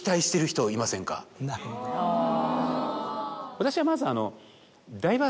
私はまず。